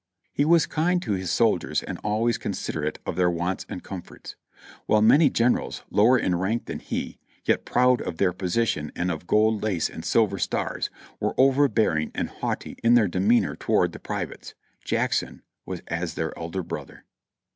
He was kind to his soldiers and always considerate of their wants and comforts. While many generals, lower in rank than he, yet proud of their position and of the gold lace and silver stars, were overbearing and haughty in their demeanor toward the privates, Jackson was as their elder brother.